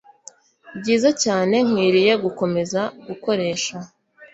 byiza cyane nkwiriye gukomeza gukoresha.